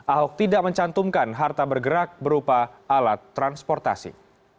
ahok tidak mencantumkan harta bergerak berupa alat transportasi